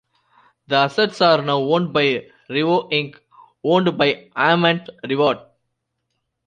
The assets are now owned by Revo Inc, owned by Armand Rivard.